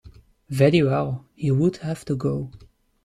Very well, he would have to go.